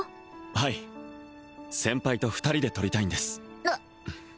はい先輩と２人で撮りたいんですあっ